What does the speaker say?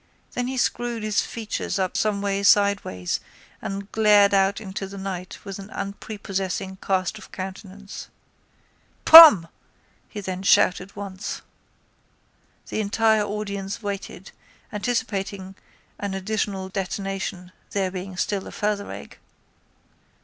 Then he screwed his features up someway sideways and glared out into the night with an unprepossessing cast of countenance. —Pom! he then shouted once. The entire audience waited, anticipating an additional detonation, there being still a further egg.